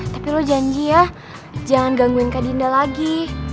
tapi lo janji ya jangan gangguin kak dinda lagi